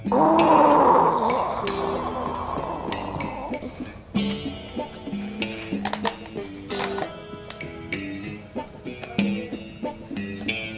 kalau banyak sampah begini